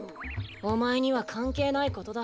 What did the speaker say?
おまえにはかんけいないことだ。